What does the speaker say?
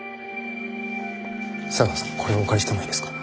茶川さんこれをお借りしてもいいですか？